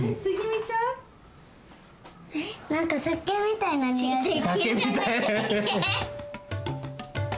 なんかせっけんみたいなにおいする。